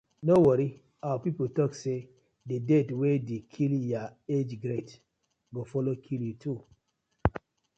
No worry, our pipu tok say di death wey di kill yah age grade go follow kill yu too.